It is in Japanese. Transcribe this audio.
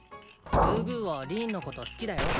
グーグーはリーンのこと好きだよ。